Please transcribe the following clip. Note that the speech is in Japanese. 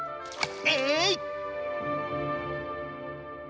えい！